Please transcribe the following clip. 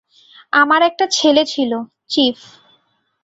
আমার একটা ছেলে ছিল, চিফ।